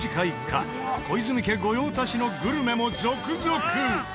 御用達のグルメも続々。